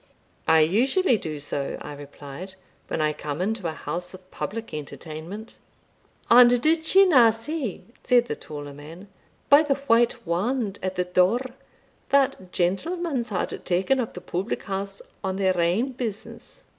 "I usually do so," I replied, "when I come into a house of public entertainment." "And did she na see," said the taller man, "by the white wand at the door, that gentlemans had taken up the public house on their ain business?"